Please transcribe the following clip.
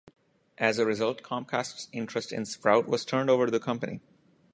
As a result, Comcast's interest in Sprout was turned over to the company.